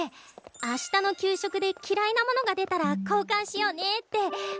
あしたの給食できらいなものが出たらこうかんしようねって話してただけ。